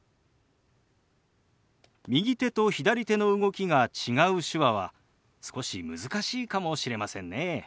右手と左手の動きが違う手話は少し難しいかもしれませんね。